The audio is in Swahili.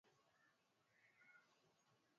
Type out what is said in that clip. Wabanange iwe nyagha, waiweke tengetenge,